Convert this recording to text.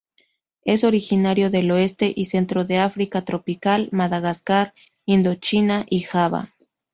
Es originario del oeste y centro de África tropical, Madagascar, Indochina y Java.